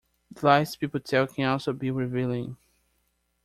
The lies people tell can also be revealing.